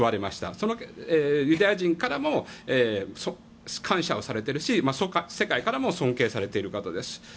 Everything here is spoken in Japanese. そのユダヤ人からも感謝をされているし世界からも尊敬されている方です。